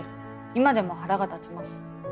今でも腹が立ちます。